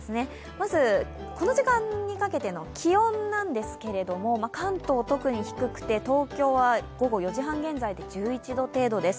まずこの時間にかけての気温なんですけれども、関東、特に低くて東京は午後４時半現在で１１度程度です。